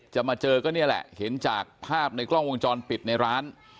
มาเจอก็นี่แหละเห็นจากภาพในกล้องวงจรปิดในร้าน